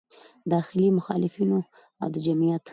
داخلي مخالفینو او د جمعیت